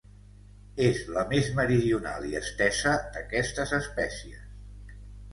És la més meridional i estesa d'aquestes espècies.